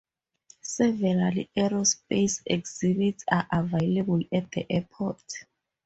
Several aerospace exhibits are available at the airport.